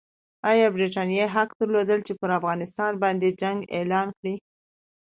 ایا برټانیې حق درلود چې پر افغانستان باندې جنګ اعلان کړي؟